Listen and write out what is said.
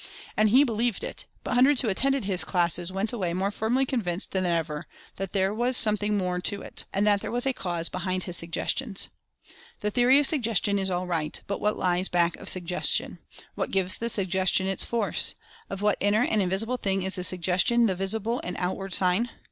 And he be lieved it — but hundreds who attended his classes went away more firmly convinced than ever that there was 46 Mental Fascination "something more to it," and that there was a cause behind his "Suggestions." The theory of Suggestion is all right — but what lies back of Suggestion ? What gives the Suggestion its force? Of what inner and invisible thing is the Suggestion the visible and out ward sign?